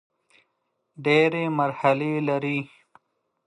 ډېري مرحلې لري .